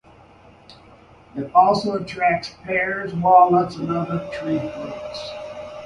It also attacks pears, walnuts, and other tree fruits.